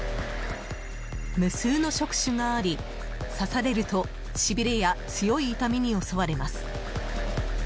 無数の触手があり、刺されるとしびれや強い痛みに襲われます。